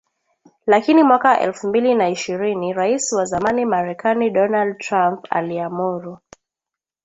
Lakini mwaka elfu mbili na ishirini Raisi wa zamani Marekani Donald Trump aliamuru